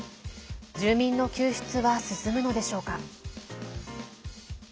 住民の救出は進むのでしょうか。